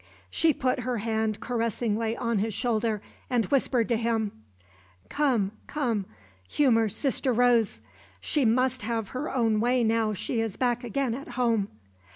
She put her hand caressingly on his shoulder, and whispered to him: "Come, come, humor 'Sister Rose.' She must have her own way now she is back again at home."